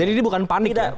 jadi ini bukan panik ya